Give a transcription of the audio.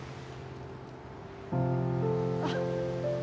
・あっ。